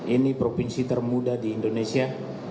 ini provinsi termuda di indonesia